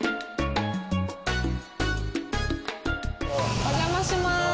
お邪魔します。